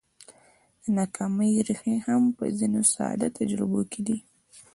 د ناکامۍ ريښې هم په ځينو ساده تجربو کې دي.